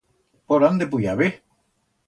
Por ánde puyabe?